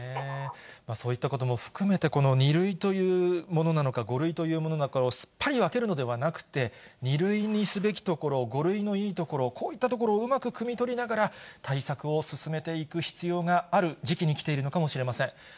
そういったことも含めて、２類というものなのか、５類というものなのかをすっぱり分けるのではなくて、２類にすべきところ、５類のいいところ、こういったところをうまくくみ取りながら、対策を進めていく必要がある時期に来ているのかもしれません。